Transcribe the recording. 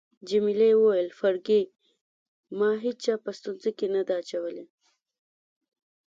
جميلې وويل: فرګي، ما هیچا په ستونزو کي نه ده اچولی.